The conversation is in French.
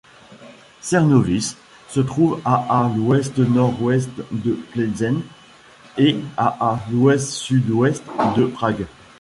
Čerňovice se trouve à à l'ouest-nord-ouest de Plzeň et à à l'ouest-sud-ouest de Prague.